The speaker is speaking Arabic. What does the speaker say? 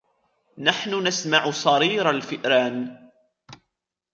نحن نسمع صرير الفئران.